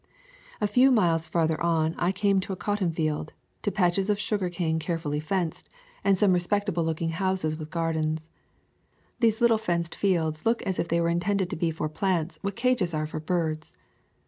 A few miles farther on I came to a cotton field, to patches of sugar cane carefully fenced, [ 104 ] Florida Swamps and Forests and some respectable looking houses with gar dens. These little fenced fields look as if they were intended to be for plants what cages are for birds.